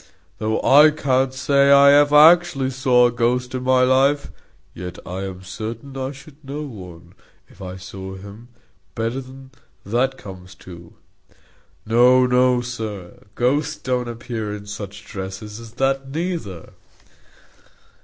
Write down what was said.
Though I can't say I ever actually saw a ghost in my life, yet I am certain I should know one, if I saw him, better than that comes to. No, no, sir, ghosts don't appear in such dresses as that, neither."